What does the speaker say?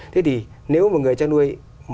thế thì nếu một người cho nuôi